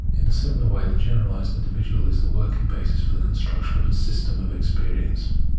In a similar way the generalised individual is the working basis for the construction of the ' system of experience.'